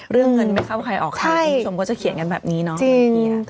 เรื่องเงินไม่เข้าใครออกใครคุณผู้ชมก็จะเขียนกันแบบนี้เนาะเมื่อกี้